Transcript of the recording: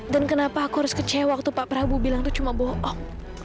kenapa aku harus kecewa waktu pak prabowo bilang itu cuma bohong